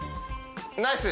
ナイス。